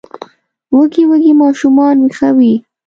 وږي وږي ماشومان ویښوي